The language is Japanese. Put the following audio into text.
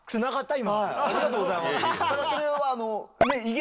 今。